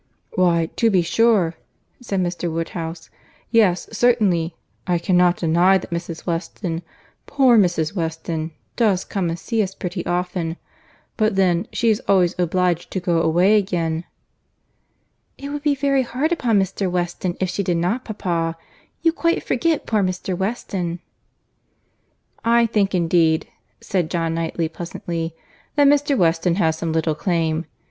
"Why, to be sure," said Mr. Woodhouse—"yes, certainly—I cannot deny that Mrs. Weston, poor Mrs. Weston, does come and see us pretty often—but then—she is always obliged to go away again." "It would be very hard upon Mr. Weston if she did not, papa.—You quite forget poor Mr. Weston." "I think, indeed," said John Knightley pleasantly, "that Mr. Weston has some little claim.